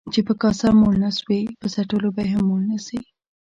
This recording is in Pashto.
چي په کاسه موړ نسوې ، په څټلو به يې هم موړ نسې.